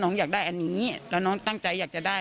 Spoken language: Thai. อยากได้อันนี้แล้วน้องตั้งใจอยากจะได้